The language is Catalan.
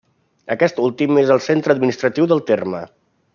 Aquest últim és el centre administratiu del terme.